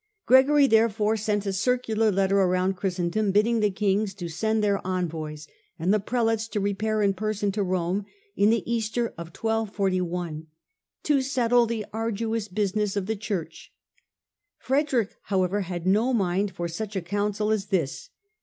Gregory therefore sent a circular letter around Christendom, bidding the Kings to send their envoys, and the Prelates to repair in person to Rome in the Easter of 1241, " to settle the arduous business of the Church." Frederick, however, had no mind for such a council as this.